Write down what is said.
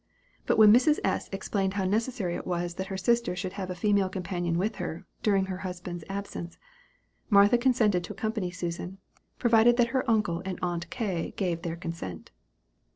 But when Mrs. S. explained how necessary it was that her sister should have a female companion with her, during her husband's absence, Martha consented to accompany Susan, provided that her uncle and aunt K. gave their consent.